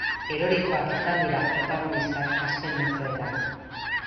Erorikoak izan dira protagonistak azken metroetan.